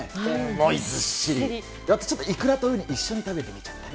重いし、あとちょっとイクラと一緒に食べてみちゃったり。